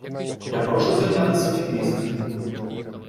я прошу зайняти своє місце!